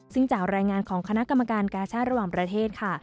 ซึ่งจากรายงานของคณะกรรมการกาชาติระหว่างประเทศค่ะ